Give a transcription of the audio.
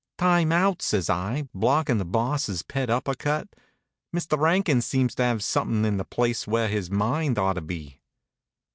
"Time out!" says I, blockin' the Boss's pet upper cut. "Mister 'Ankins seems to have something on the place where his mind ought to be."